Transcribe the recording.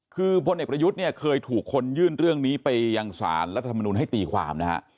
คือพลเอกประยุทธ์เนี่ยเคยถูกคนยื่นเรื่องนี้ไปยังสารรัฐธรรมนุนให้ตีความนะฮะ